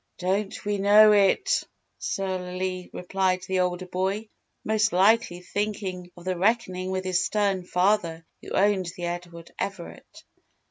"Don't we know it," surlily replied the older boy, most likely thinking of the reckoning with his stern father who owned the Edward Everett.